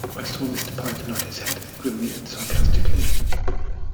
I saw Mr Pike nod his head grimly and sarcastically.